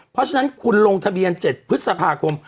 เพราะฉะนั้นคุณลงทะเบียน๗พฤษภาคม